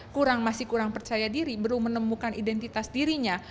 kurang masih kurang percaya diri belum menemukan identitas dirinya